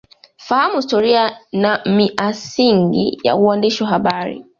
Fahamu Historia Na Miasingi Ya Uwandishi Wa Habari